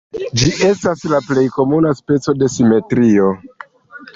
Ĝi estas la plej komuna speco de simetrio.